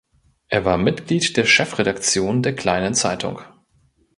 Er war Mitglied der Chefredaktion der Kleinen Zeitung.